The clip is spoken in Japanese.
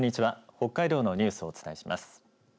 北海道のニュースをお伝えします。